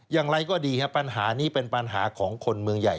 อย่างไรก็ดีครับปัญหานี้เป็นปัญหาของคนเมืองใหญ่